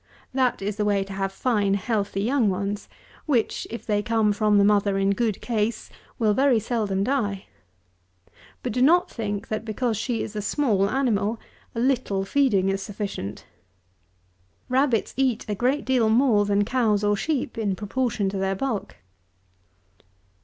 That is the way to have fine healthy young ones, which, if they come from the mother in good case, will very seldom die. But do not think, that because she is a small animal, a little feeding is sufficient! Rabbits eat a great deal more than cows or sheep in proportion to their bulk.